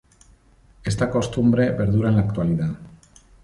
Esta costumbre perdura en la actualidad.